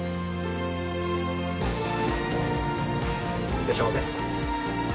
いらっしゃいませ。